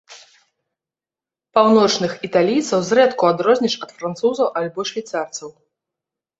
Паўночных італійцаў зрэдку адрозніш ад французаў альбо швейцарцаў.